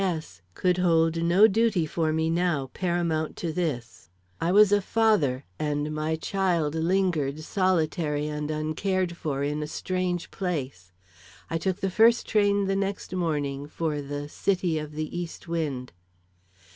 S could hold no duty for me now paramount to this. I was a father and my child lingered solitary and uncared for in a strange place. I took the first train the next morning for the "city of the east wind."